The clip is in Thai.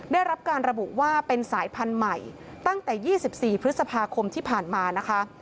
ได้รับการระบุว่าเป็นสายพันธุ์ใหม่ตั้งแต่๒๔พฤษภาคมที่ผ่านมานะคะ